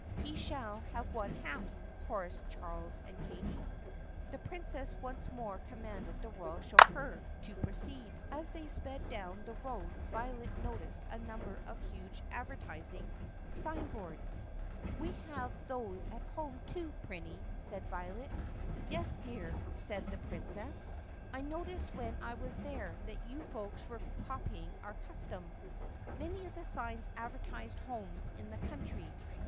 "He shall have one half!" chorused Charles and Katie. The Princess once more commanded the royal chauffeur to proceed. As they sped down the road Violet noticed a number of huge advertising sign boards. Charlie and Katie Katorze Fishing 88 THE PUSSYCAT PRINCESS "We have those at home too, Prinny !" said Violet. "Yes, dear," said the Princess, "I noticed when I was there that you folks were copying our custom." Most of the signs advertised homes in the country.